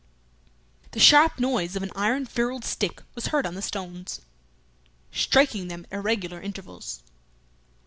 The sharp noise of an iron ferruled stick was heard on the stones, striking them at irregular intervals.